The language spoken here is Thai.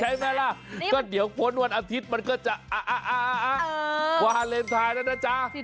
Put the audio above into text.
ใช่ไหมล่ะก็เดี๋ยวพ้นวันอาทิตย์มันก็จะวาเลนไทยแล้วนะจ๊ะ